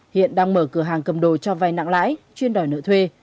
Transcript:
hiện đang mở cửa hàng cầm đồ cho vai nặng lãi chuyên đòi nợ thuê